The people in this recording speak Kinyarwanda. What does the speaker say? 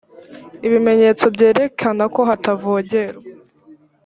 ibimenyetso byerekana ko hatavogerwa